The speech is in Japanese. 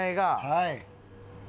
はい。